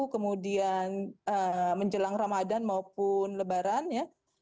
kemudian menjelang ramadan maupun lebaran ya